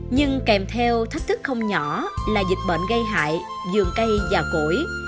nhưng kèm theo thách thức không nhỏ là dịch bệnh gây hại dường cây và củi